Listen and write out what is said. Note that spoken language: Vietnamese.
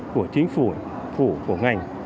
của chính phủ của ngành